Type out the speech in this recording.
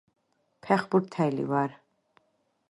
ფეხბურთელი ვარ